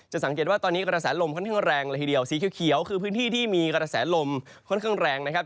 สังเกตว่าตอนนี้กระแสลมค่อนข้างแรงละทีเดียวสีเขียวคือพื้นที่ที่มีกระแสลมค่อนข้างแรงนะครับ